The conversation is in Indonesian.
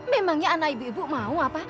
memangnya anak ibu ibu mau apa